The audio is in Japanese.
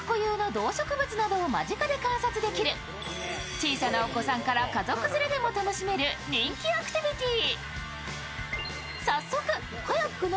小さなお子さんから家族連れでも楽しめる人気アクティビティー。